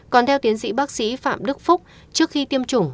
còn theo tiến sĩ bác sĩ phạm đức phúc trước khi tiêm chủng